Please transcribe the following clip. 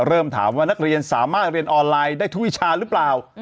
เริ่มถามว่านักเรียนสามารถเรียนออนไลน์ได้ทุกวิชาหรือเปล่า